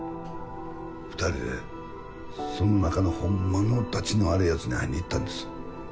２人でその中のホンマのたちの悪いヤツに会いに行ったんです。